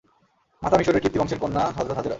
মাতা মিসরের কিবতী বংশের কন্যা হযরত হাজেরা।